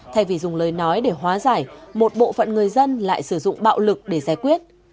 thay vì dùng lời nói để hóa giải một bộ phận người dân lại sử dụng bạo lực để giải quyết